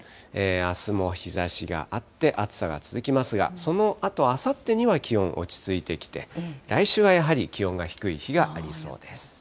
あすも日ざしがあって、暑さが続きますが、そのあと、あさってには気温落ち着いてきて、来週はやはり、気温が低い日がありそうです。